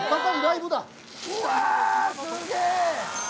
うわすげえ！